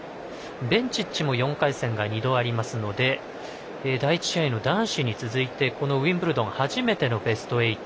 ベンチッチも４回戦が２度ありますので第１試合の男子に続いてこのウィンブルドン初めてのベスト８。